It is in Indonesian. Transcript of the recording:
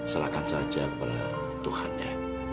serahkan saja kepada tuhan ya